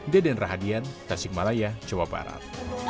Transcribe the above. deden rahadian tasik malaya jawa barat